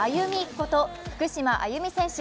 こと福島あゆみ選手